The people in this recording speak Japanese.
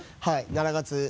はい７月。